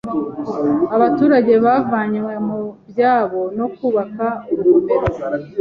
Abaturage bavanywe mu byabo no kubaka urugomero.